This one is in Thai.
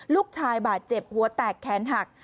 ลูกชายบาดเจ็บหัวแตกแขนหัก